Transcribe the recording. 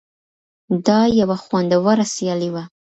دا یوه خوندوره سیالي وه.